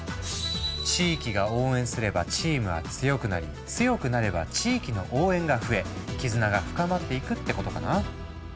地域が応援すればチームは強くなり強くなれば地域の応援が増え絆が深まっていくってことかな。